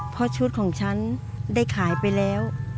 เพราะชุดของฉันได้ขายไปแล้ว